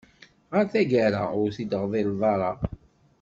Ɣer tagara ur t-id-ɣḍileɣ ara.